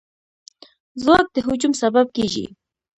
ځواک د هجوم سبب کېږي.